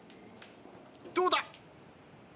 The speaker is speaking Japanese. どうだ？